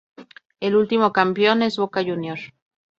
El último campeón es Boca Juniors.